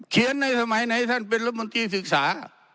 เขียนในสมัยไหนท่านเป็นบริษัทธิศึกษา